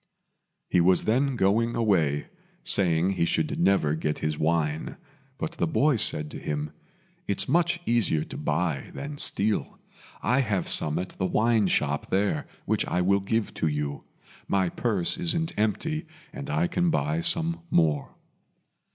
He was then going away, saying he should never get his wine; but the boy said to him, "It's much easier to buy than steal. I have some at the wine shop there which I will give to you. My purse isn't empty, and I can buy some more."